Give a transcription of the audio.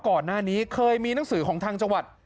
ก่อนหน้านี้เคยมีหนังสือของทางจังหวัด